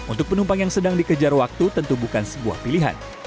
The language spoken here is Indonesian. untuk penumpang yang sedang dikejar waktu tentu bukan sebuah pilihan